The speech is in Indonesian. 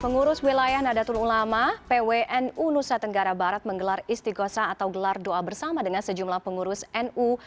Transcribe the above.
pengurus wilayah nadatul ulama pwnu nusa tenggara barat menggelar istiqosah atau gelar doa bersama dengan sejumlah pengurus nu